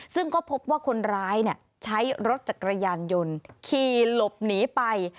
ซึ่งก็พบว่าคนร้ายใช้รถจักรยานยนต์ขี่หลบหนีไป